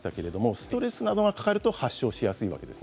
ストレスがかかると発症しやすいということです。